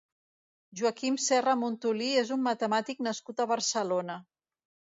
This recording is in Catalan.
Joaquim Serra Montolí és un metemàtic nascut a Barcelona.